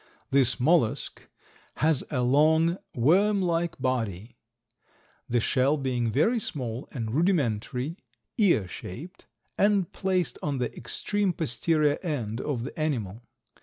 This mollusk has a long, worm like body, the shell being very small and rudimentary, ear shaped, and placed on the extreme posterior end of the animal.